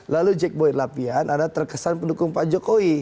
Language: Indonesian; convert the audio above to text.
lalu jack boy lapian ada terkesan pendukung pak jokowi